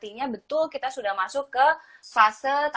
ketika nantinya betul kita sudah masuk ke fase tatanan baru gitu